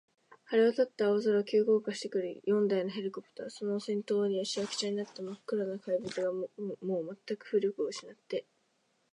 晴れわたった青空を、急降下してくる四台のヘリコプター、その先頭には、しわくちゃになったまっ黒な怪物が、もうまったく浮力をうしなって、